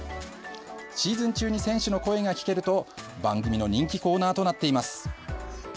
シーズン中に選手の声が聞けると番組の人気コーナーとなっています。